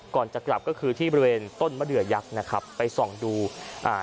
ก่อนจะกลับก็คือที่บริเวณต้นมะเดือยักษ์นะครับไปส่องดูอ่า